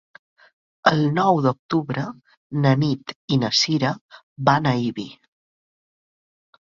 El nou d'octubre na Nit i na Sira van a Ibi.